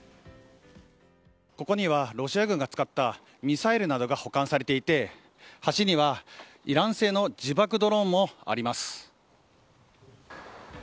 ここには、ロシア軍が使ったミサイルなどが保管されていて端にはイラン製の自爆ドローンもあります。